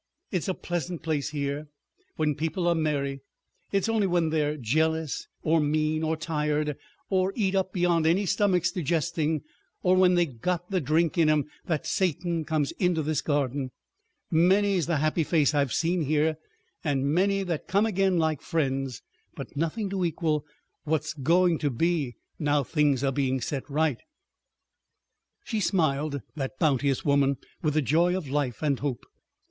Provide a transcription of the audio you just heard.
It's a pleasant place here when people are merry; it's only when they're jealous, or mean, or tired, or eat up beyond any stomach's digesting, or when they got the drink in 'em that Satan comes into this garden. Many's the happy face I've seen here, and many that come again like friends, but nothing to equal what's going to be, now things are being set right." She smiled, that bounteous woman, with the joy of life and hope.